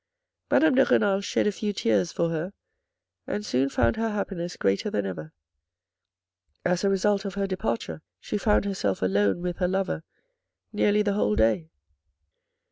Madame de Renal shed a few tears for her, and soon found her happiness greater than ever. As a result of her departure, she found herself alone with her lover nearly the whole day.